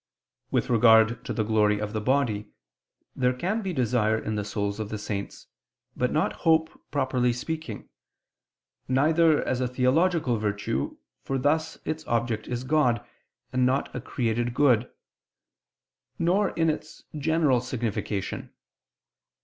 With regard to the glory of the body, there can be desire in the souls of the saints, but not hope, properly speaking; neither as a theological virtue, for thus its object is God, and not a created good; nor in its general signification.